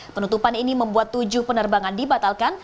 penutupan ini membuat tujuh penerbangan dibatalkan